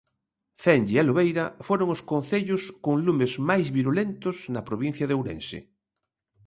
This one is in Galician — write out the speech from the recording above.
Cenlle e Lobeira foron os concellos con lumes máis virulentos na provincia de Ourense.